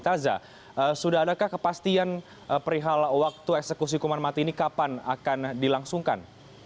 taza sudah adakah kepastian perihal waktu eksekusi hukuman mati ini kapan akan dilangsungkan